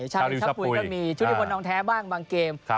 ชาวดิวชาปุยก็มีชุดิวบนน้องแท้บ้างบางเกม